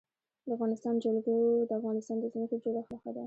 د افغانستان جلکو د افغانستان د ځمکې د جوړښت نښه ده.